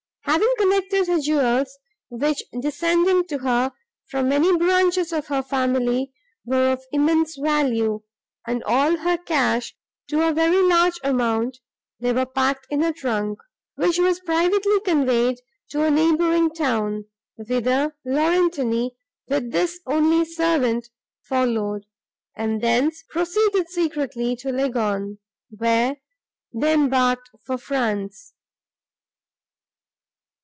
Having collected her jewels, which, descending to her from many branches of her family, were of immense value, and all her cash, to a very large amount, they were packed in a trunk, which was privately conveyed to a neighbouring town, whither Laurentini, with this only servant, followed, and thence proceeded secretly to Leghorn, where they embarked for France.